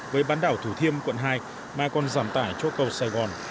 với bán đảo thủ thiêm quận hai mà còn giảm tải cho cầu sài gòn